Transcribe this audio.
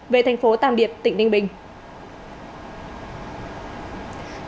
về thành phố tàm điệp tỉnh ninh bình